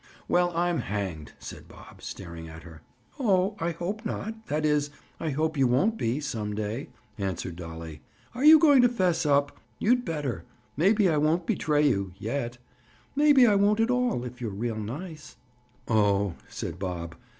"Well, I'm hanged!" said Bob, staring at her. "Oh, I hope not—that is, I hope you won't be, some day," answered Dolly. "Are you going to 'fess up?' You'd better. Maybe I won't betray you—yet. Maybe I won't at all, if you're real nice." "Oh!" said Bob.